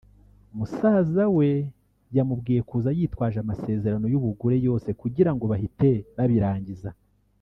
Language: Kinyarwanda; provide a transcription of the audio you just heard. musaza we yamubwiye kuza yitwaje amasezerano y’ubugure yose kugirango bahite babirangiza